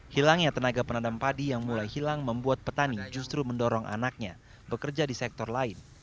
hilangnya tenaga penanam padi yang mulai hilang membuat petani justru mendorong anaknya bekerja di sektor lain